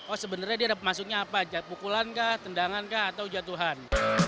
oh sebenarnya dia ada maksudnya apa jatuh pukulan kah tendangan kah atau jatuhan